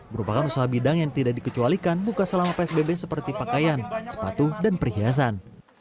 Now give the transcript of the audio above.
merupakan usaha bidang yang tidak dikecualikan buka selama psbb seperti pakaian sepatu dan perhiasan